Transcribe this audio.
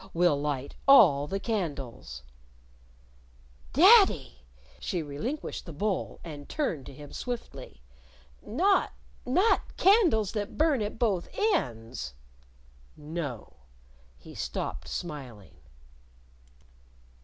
"We'll light all the candles " "Daddy!" She relinquished the bowl, and turned to him swiftly. "Not not candles that burn at both ends " "No." He stopped smiling.